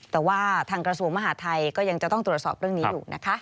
แต่ว่าทางกระทรวงมหาทัยก็ยังจะต้องตรวจสอบเรื่องนี้อยู่นะคะ